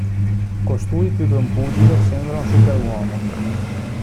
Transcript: Costui più che un pugile sembra un superuomo.